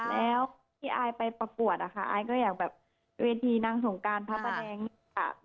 แล้วที่อายไปประกวดนะคะอายก็อยากแบบเวทีนางสงการพระประแดงค่ะ